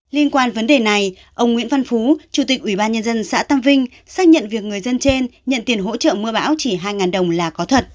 liên quan vấn đề này ông nguyễn văn phú chủ tịch ủy ban nhân dân xã tam vinh xác nhận việc người dân trên nhận tiền hỗ trợ mưa bão chỉ hai đồng là có thật